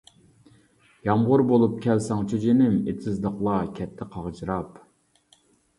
يامغۇر بولۇپ كەلسەڭچۇ جېنىم، ئېتىزلىقلار كەتتى قاغجىراپ.